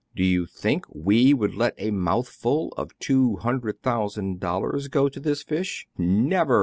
" Do you think we would let a mouthful of two hundred thousand dollars go to this fish }" "Never!"